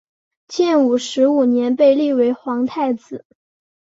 建武十五年被立为皇太子。